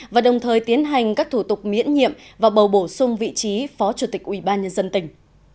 và đồng thời tiến hành các thủ tục miễn nhiệm và bầu bổ sung vị trí phó chủ tịch ủy ban nhân dân tỉnh